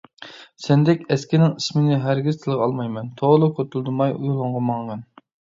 سەندەك ئەسكىنىڭ ئىسمىنى ھەرگىز تىلغا ئالمايمەن، تولا كوتۇلدىماي يولۇڭغا ماڭغىن!